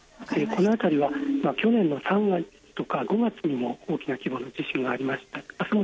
この辺りは去年の３月や５月にも大きな規模の地震がありました。